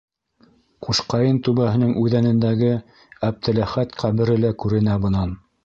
Ҡушҡайын түбәһенең үҙәнендәге Әптеләхәт ҡәбере лә күренә бынан.